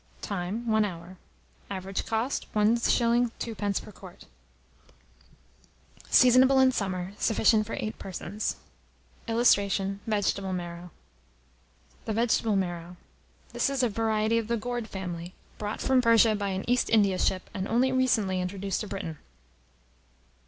Time. 1 hour. Average cost, 1s. 2d. per quart. Seasonable in summer. Sufficient for 8 persons. [Illustration: VEGETABLE MARROW.] THE VEGETABLE MARROW. This is a variety of the gourd family, brought from Persia by an East India ship, and only recently introduced to Britain.